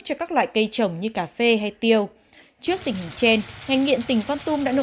cho các loại cây trồng như cà phê hay tiêu trước tình hình trên ngành nghiện tỉnh con tum đã nỗ